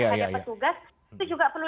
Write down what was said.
pada petugas itu juga perlu